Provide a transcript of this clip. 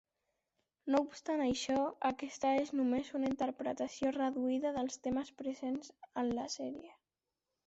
No obstant això, aquesta és només una interpretació reduïda dels temes presents en la sèrie.